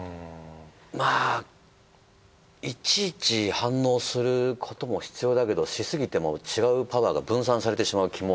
まぁいちいち反応することも必要だけどしすぎても違うパワーが分散されてしまう気も。